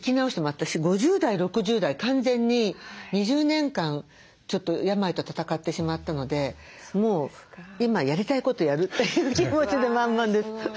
私５０代６０代完全に２０年間ちょっと病と闘ってしまったのでもう今やりたいことやるという気持ちで満々です。